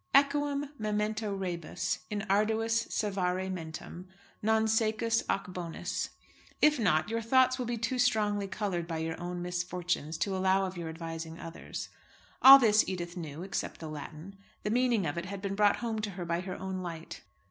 Equam memento rebus in arduis servare mentem, non secus ac bonis. If not, your thoughts will be too strongly coloured by your own misfortunes to allow of your advising others. All this Edith knew, except the Latin. The meaning of it had been brought home to her by her own light.